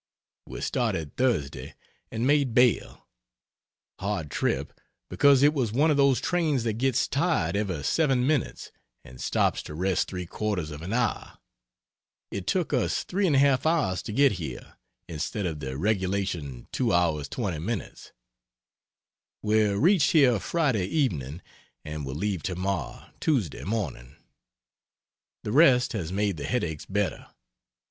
We started Thursday and made Bale. Hard trip, because it was one of those trains that gets tired every seven minutes and stops to rest three quarters of an hour. It took us 3 1/2 hours to get here, instead of the regulation 2.20. We reached here Friday evening and will leave tomorrow (Tuesday) morning. The rest has made the headaches better.